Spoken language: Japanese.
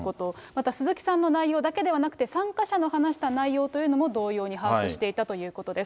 また鈴木さんの内容だけではなくて、参加者の話した内容というのも同様に把握していたということです。